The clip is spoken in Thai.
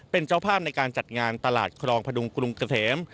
เป็นเจ้าภาพในการจัดงานตลาดครองพดุงกรุงเกษม